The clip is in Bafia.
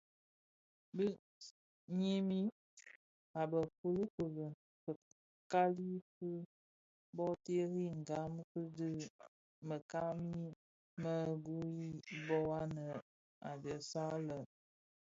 Bi nyinim a be fuli fuli, fikali fi boterri gam fi dhi bi mekani me guthrie dho anë a dhesag lè.